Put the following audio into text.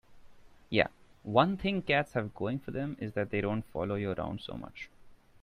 Yeah, one thing cats have going for them is that they don't follow you around so much.